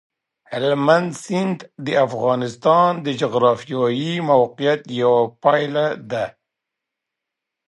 هلمند سیند د افغانستان د جغرافیایي موقیعت یوه پایله ده.